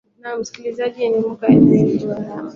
naam msikilizaji umemusikia noeli joram